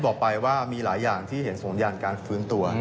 บอกไปว่ามีหลายอย่างที่เห็นสมอย่างการฟื้นตัว